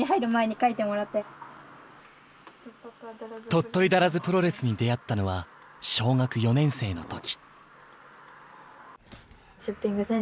鳥取だらずプロレスに出会ったのは小学４年生の時。